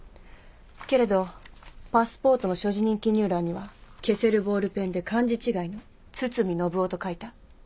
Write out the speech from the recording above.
けれどパスポートの所持人記入欄には消せるボールペンで漢字違いの津々見信夫と書いた。